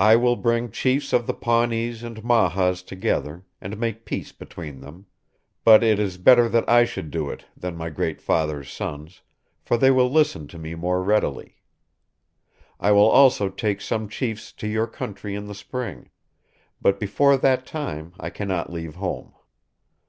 I will bring chiefs of the Pawnees and Mahas together, and make peace between them; but it is better that I should do it than my Great Father's sons, for they will listen to me more readily. I will also take some chiefs to your country in the Spring; but before that time I cannot leave home.